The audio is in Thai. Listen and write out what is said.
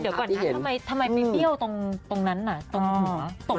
แต่ก่อนฉันทำไมเป็นเปรี้ยวตรงนั้นน่ะตรงหัว